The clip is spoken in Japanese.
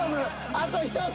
あと１つ！